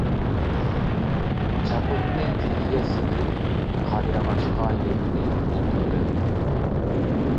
چاپىنىنى تېگىگە سېلىپ، قارىياغاچقا يۆلىنىپ ئولتۇردى.